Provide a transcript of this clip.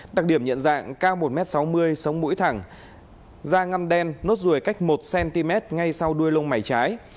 đặc điểm nhận dạng cao một m sáu mươi sống mũi thẳng da ngâm đen nốt ruồi cách một cm ngay sau đuôi lông mày trái